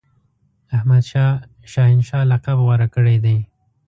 احمدشاه شاه هنشاه لقب غوره کړی دی.